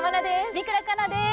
三倉佳奈です。